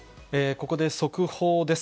ここで速報です。